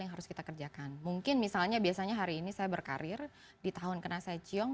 yang harus kita kerjakan mungkin misalnya biasanya hari ini saya berkarir di tahun kena saya ciong